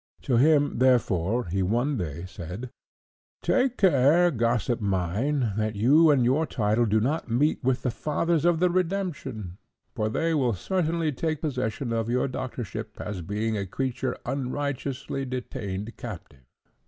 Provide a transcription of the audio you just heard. To him, therefore, he one day said, "Take care, gossip mine, that you and your title do not meet with the Fathers of the Redemption, for they will certainly take possession of your doctorship as being a creature unrighteously detained captive."